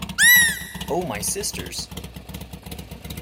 Oh my sisters!